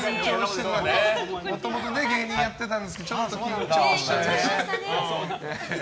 もともと芸人やってたんですけどちょっと緊張しちゃってね。